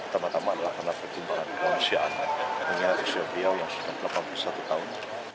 terutama adalah karena pertimbangan kemanusiaan dengan yusril iza mahendra jumat yang sudah delapan puluh satu tahun